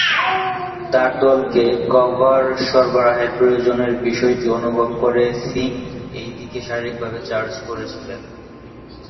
তাঁর দলকে কভার সরবরাহের প্রয়োজনের বিষয়টি অনুভব করে সিং এই দিকে শারীরিকভাবে চার্জ করেছিলেন।